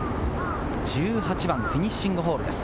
１８番フィニッシュホールです。